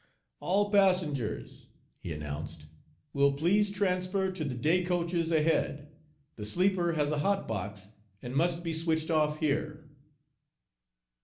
"All passengers," he announced, "will please transfer to the day coaches ahead. The sleeper has a hot box, and must be switched off here."